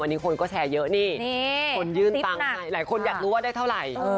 คนนี้คนก็แชร์เยอะนี่คนยืนตังค์หลายคนอยากรู้ได้เท่าไร